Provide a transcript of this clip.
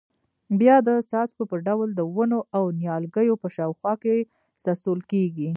بیا د څاڅکو په ډول د ونو او نیالګیو په شاوخوا کې څڅول کېږي.